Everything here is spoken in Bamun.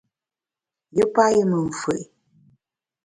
Yù payù me mfù’i.